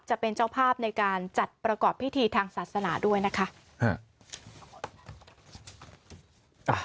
จะเป็นเจ้าภาพในการจัดประกอบพิธีทางศาสนาด้วยนะคะ